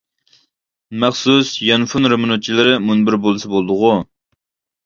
مەخسۇس يانفون رېمونتچىلىرى مۇنبىرى بولسا بولىدىغۇ؟ !